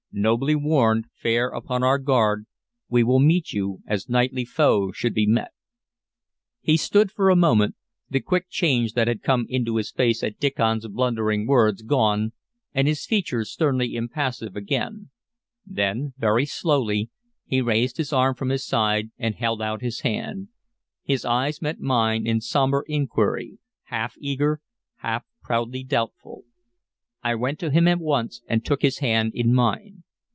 Nobly warned, fair upon our guard, we will meet you as knightly foe should be met." He stood for a minute, the quick change that had come into his face at Diccon's blundering words gone, and his features sternly impassive again; then, very slowly, he raised his arm from his side and held out his hand. His eyes met mine in sombre inquiry, half eager, half proudly doubtful. I went to him at once, and took his hand in mine.